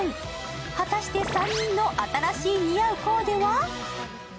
果たして３人の新しい似合うコーデは？